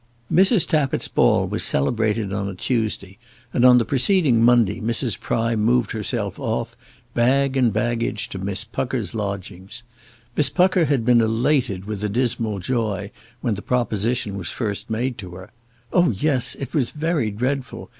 Mrs. Tappitt's ball was celebrated on a Tuesday, and on the preceding Monday Mrs. Prime moved herself off, bag and baggage, to Miss Pucker's lodgings. Miss Pucker had been elated with a dismal joy when the proposition was first made to her. "Oh, yes; it was very dreadful.